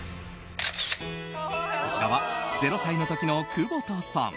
こちらは、０歳の時の久保田さん。